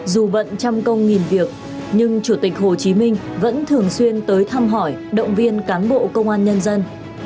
dù bận trăm công nghìn việc nhưng chủ tịch hồ chí minh vẫn thường xuyên tới thăm hỏi động viên cán bộ công an nhân dân